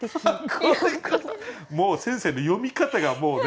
もう先生の読み方がもうね。